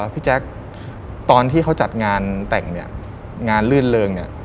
พี่แจ๊คตอนที่เขาจัดงานแต่งเนี่ยงานลื่นเริงเนี่ย